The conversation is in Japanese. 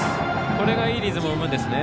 これがいいリズムを生むんですね。